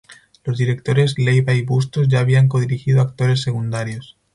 Los directores, Leiva y Bustos, ya habían co-dirigido Actores Secundarios.